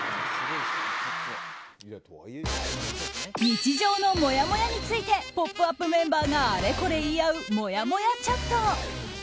日常のもやもやについて「ポップＵＰ！」メンバーがあれこれ言い合うもやもやチャット。